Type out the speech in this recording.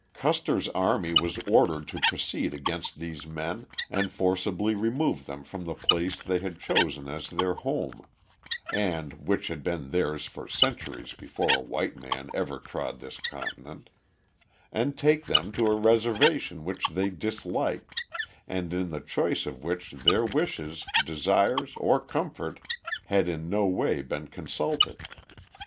Custer's army was ordered to proceed against these men, and forcibly remove them from the place they had chosen as their home and which had been theirs for centuries before a white man ever trod this continent and take them to a reservation which they disliked, and in the choice of which their wishes, desires, or comfort had in no way been consulted.